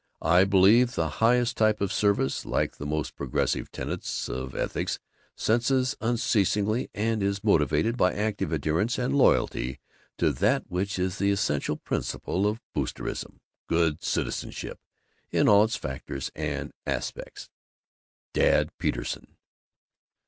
I believe the highest type of Service, like the most progressive tenets of ethics, senses unceasingly and is motived by active adherence and loyalty to that which is the essential principle of Boosterism Good Citizenship in all its factors and aspects. DAD PETERSEN.